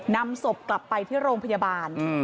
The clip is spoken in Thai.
นำศพกลับไปที่โรงพยาบาล